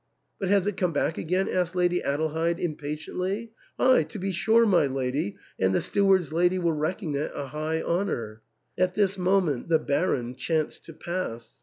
"But has it come back again?" asked Lady Adelheid impatiently. "Aye, to be sure, my lady, and the steward's lady will reckon it a high honour " At this moment the Baron chanced to pass.